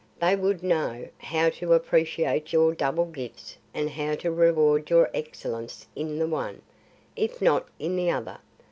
They would know how to appreciate your double gifts and how to reward your excellence in the one, if not in the other.